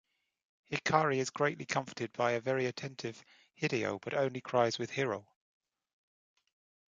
Hikari is greatly comforted by a very attentive Hideo but only cries with Hiro.